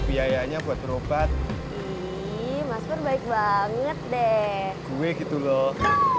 biayanya buat berobat iiih